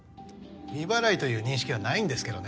未払いという認識はないんですけどね。